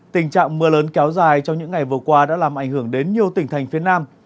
tình trạng mưa lớn kéo dài trong những ngày vừa qua đã làm ảnh hưởng đến nhiều tỉnh thành phía nam